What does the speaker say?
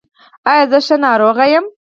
ایا زه ښه ناروغ یم؟